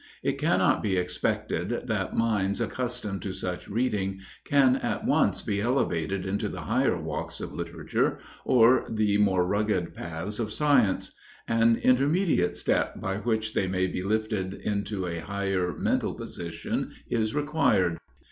It cannot be expected that minds accustomed to such reading can at once be elevated into the higher walks of literature or the more rugged paths of science. An intermediate step, by which they may be lifted into a higher mental position, is required.